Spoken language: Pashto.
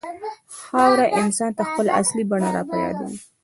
خاوره انسان ته خپله اصلي بڼه راپه یادوي.